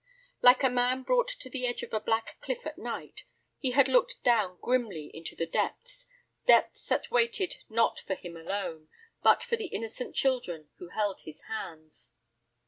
Like a man brought to the edge of a black cliff at night, he had looked down grimly into the depths, depths that waited not for him alone, but for the innocent children who held his hands.